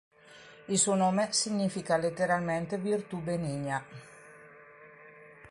Il suo nome significa letteralmente "virtù benigna".